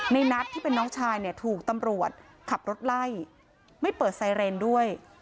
ในนัทที่เป็นน้องชายเนี่ยถูกตำรวจขับรถไล่ไม่เปิดไซเรนด้วย